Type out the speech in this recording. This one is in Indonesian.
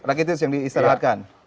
rakitis yang diistirahatkan